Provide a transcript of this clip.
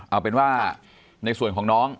เอาเป็นว่าในส่วนของน้อง